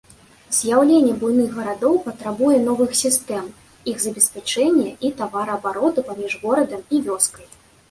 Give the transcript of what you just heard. З'яўленне буйных гарадоў патрабуе новых сістэм іх забеспячэння і тавараабароту паміж горадам і вёскай.